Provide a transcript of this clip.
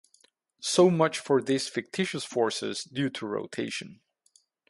So much for fictitious forces due to rotation.